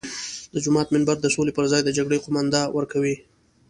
د جومات منبر د سولې پر ځای د جګړې قومانده ورکوي.